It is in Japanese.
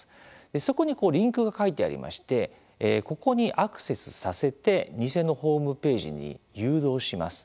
そこにリンクが書いてありましてここにアクセスさせて偽のホームページに誘導します。